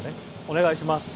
お願いします。